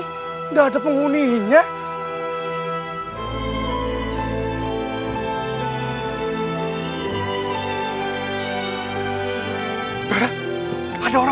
tidak ada penguninya